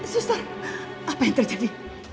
suster apa yang terjadi